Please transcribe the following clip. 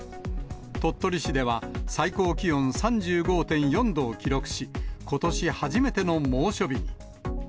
鳥取市では、最高気温３５．４度を記録し、ことし初めての猛暑日に。